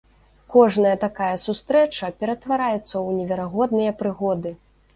Кожная такая сустрэча ператвараецца ў неверагодныя прыгоды!